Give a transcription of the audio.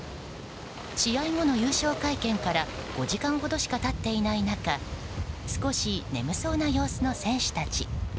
試合後の優勝会見から５時間ほどしか経っていない中少し眠そうな様子の選手たち。